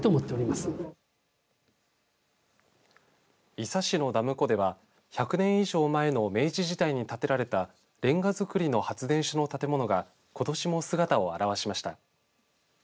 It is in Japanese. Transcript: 伊佐市のダム湖では１００年以上前の明治時代に建てられたレンガ造りの発電所の建物がことしも姿を現しました。